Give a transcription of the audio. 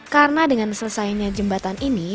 karena dengan selesainya jembatan ini